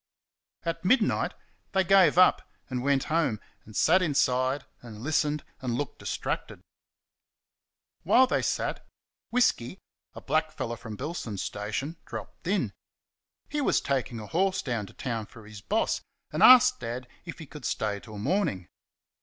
At midnight they gave up, and went home, and sat inside and listened, and looked distracted. While they sat, "Whisky," a blackfellow from Billson's station, dropped in. He was taking a horse down to town for his boss, and asked Dad if he could stay till morning.